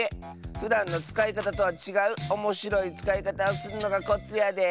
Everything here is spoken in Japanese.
ふだんのつかいかたとはちがうおもしろいつかいかたをするのがコツやで。